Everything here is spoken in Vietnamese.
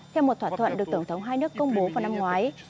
theo một thỏa thuận được tổng thống hai nước công bố vào năm ngoái